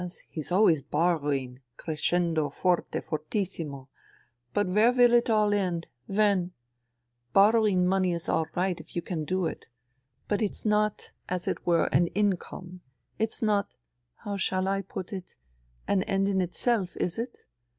He's always borrowing — crescendo , jorte, fortissimo ! But where will it end ? When ? Borrowing money is all right if you can do it. But it's not, as it were, an income ; it's not — how shall I put it ?— an end in itself, is it